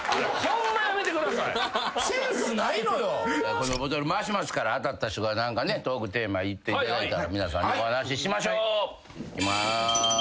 このボトル回しますから当たった人が何かねトークテーマ言っていただいたら皆さんでお話しましょう。いきます。